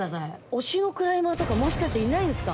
推しのクライマーとかもしかしていないんですか？